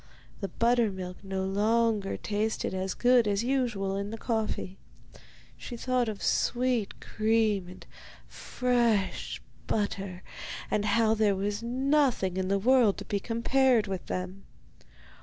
The buttermilk no longer tasted as good as usual in the coffee; she thought of sweet cream and fresh butter, and of how there was nothing in the world to be compared with them.